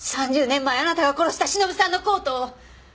３０年前あなたが殺した忍さんのコートを！